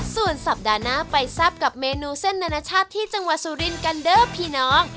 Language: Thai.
ส่วนสัปดาห์หน้าไปแซ่บกับเมนูเส้นนานาชาติที่จังหวัดสุรินทร์กันเด้อพี่น้อง